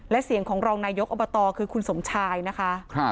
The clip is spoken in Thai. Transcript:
และเสียงของรองนายกอบตคือคุณสมชายนะคะ